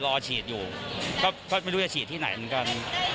รอฉีดอยู่ก็ไม่รู้จะฉีดที่ไหนเหมือนกัน